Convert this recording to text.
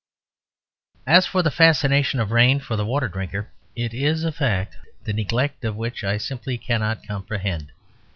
As for the fascination of rain for the water drinker, it is a fact the neglect of which I simply cannot comprehend.